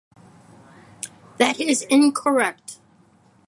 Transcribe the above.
That is incorrect.